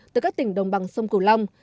từ các tỉnh đồng bằng sông cầu long